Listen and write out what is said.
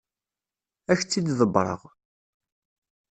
Ad ak-tt-id-ḍebbreɣ.